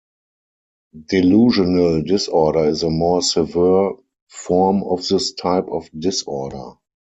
Delusional disorder is a more severe form of this type of disorder.